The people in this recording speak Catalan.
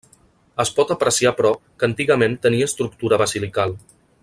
Es pot apreciar però, que antigament tenia estructura basilical.